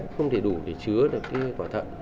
không thể đủ để chứa được cái quả thận